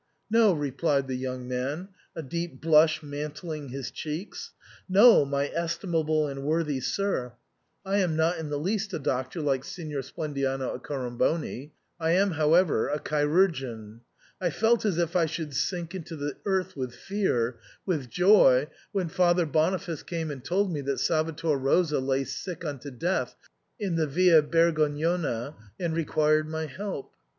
" No," replied the young man, a deep blush mantling his cheeks, " no, my estimable and worthy sir, I am not in the least a doctor like Signor Splendiano Accoram boni ; I am however a chirurgeon. I felt as if I should sink into the earth with fear — with joy — when Father Boniface came and told me that Salvator Rosa lay sick unto death in the Via Bergognona, and required my help.